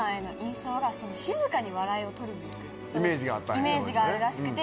イメージがあるらしくて。